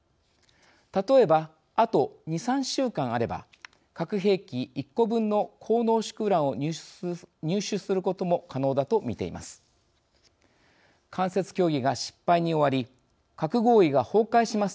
例えば、あと２３週間あれば核兵器１個分の高濃縮ウランを入手することも可能だと見ています。